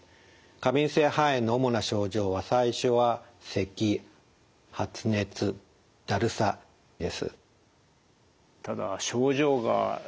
過敏性肺炎の主な症状は最初はせき発熱だるさです。